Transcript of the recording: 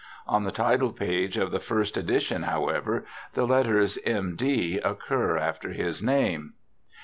On the title page of the first edition, however, the letters M.D. occur after his name.